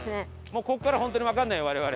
もうここから本当にわかんないよ我々。